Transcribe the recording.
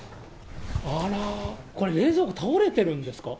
あらー、これ、冷蔵庫倒れてるんですか？